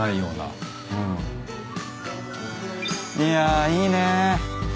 いやいいね。